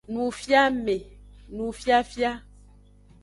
Nufiame, nufiafia.